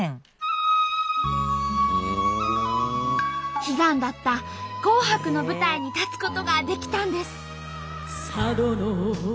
悲願だった「紅白」の舞台に立つことができたんです。